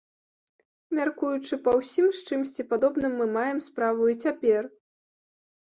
Мяркуючы па ўсім, з чымсьці падобным мы маем справу і цяпер.